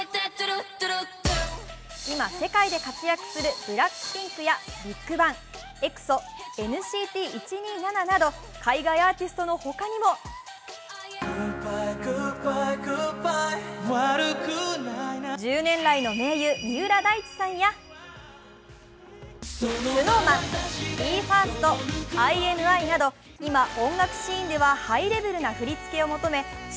今、世界で活躍するＢＬＡＣＫＰＩＮＫやＢＩＧＢＡＮＧ、ＥＸＯ、ＮＣＴ１２７など海外アーティストのほかにも１０年来の盟友、三浦大知さんやＳｎｏｗＭａｎ、ＢＥ：ＦＩＲＳＴ、ＩＮＩなど今音楽シーンではハイレベルな振り付けを求め、ｓ＊＊